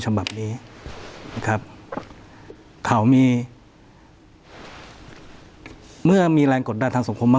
ฉบับนี้นะครับเขามีเมื่อมีแรงกดดันทางสังคมมาก